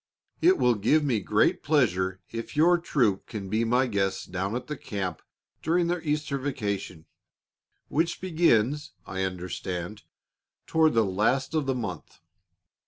It will give me great pleasure if your troop can be my guests down at the camp during their Easter vacation, which begins, I understand, toward the last of the month.